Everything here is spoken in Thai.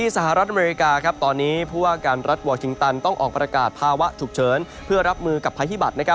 สหรัฐอเมริกาต้องออกประกาศภาวะฉุกเฉินเพื่อรับมือกับภัยธิบัตร